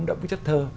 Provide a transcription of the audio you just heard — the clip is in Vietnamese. thấm đẫm chất thơ